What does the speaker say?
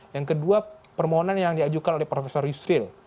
yang kedua permohonan yang diajukan oleh prof yusril